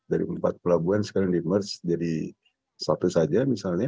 dari empat pelabuhan sekarang di merge jadi satu saja misalnya